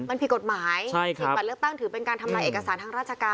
มันผิดกฎหมายผิดบัตรเลือกตั้งถือเป็นการทำลายเอกสารทางราชการ